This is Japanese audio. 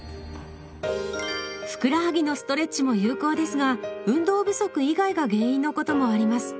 ふくらはぎのストレッチも有効ですが運動不足以外が原因のこともあります。